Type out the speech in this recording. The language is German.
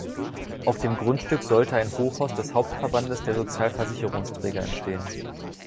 Auf dem Grundstück sollte ein Hochhaus des Hauptverbandes der Sozialversicherungsträger entstehen.